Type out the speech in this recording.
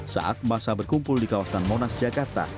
saat masa berkumpul di kawasan monas jakarta